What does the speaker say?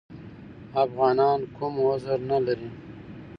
افغانان کوم عذر نه لري.